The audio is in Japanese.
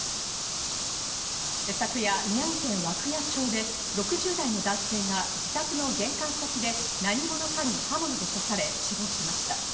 昨夜、宮城県涌谷町で６０代の男性が自宅の玄関先で何者かに刃物で刺され、死亡しました。